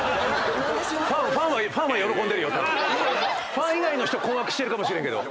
ファン以外の人困惑してるかもしれんけど。